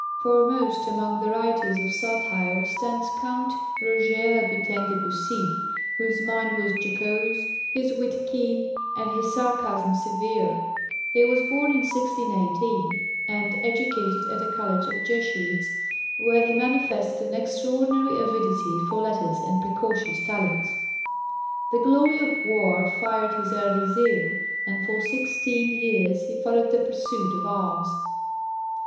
Foremost among the writers of satire stands Count Roger Rabutin de Bussy, whose mind was jocose, his wit keen, and his sarcasm severe. He was born in 1618, and educated at a college of Jesuits, where he manifested an extraordinary avidity for letters and precocious talents. The glory of war fired his early zeal, and for sixteen years he followed the pursuit of arms.